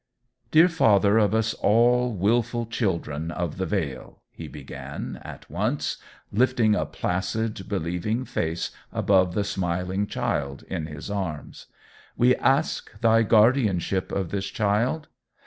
Dear Father of us wilful Children of the Vale," he began, at once, lifting a placid, believing face above the smiling child in his arms, "_we ask Thy guardianship of this child.